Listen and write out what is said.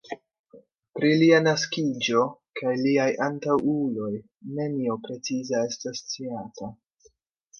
Pri lia naskiĝo kaj liaj antaŭuloj nenio preciza estas sciata.